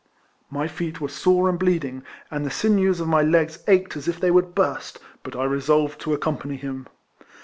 ]\Iy feet were sore and bleeding, and the sinews of my legs ached as if they would burst, but I resolved to accompany him.